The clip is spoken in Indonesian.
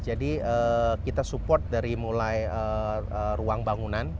jadi kita support dari mulai ruang bangunan